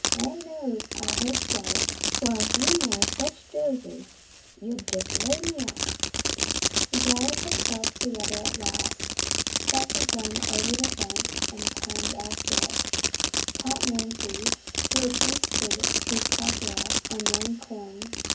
Land knows, I hope so; for a few more such doses 'ull jest lay me up." He gathered himself together at last, set the gun over the fence, and climbing after it, caught Nancy, who had feasted to plethora on young corn.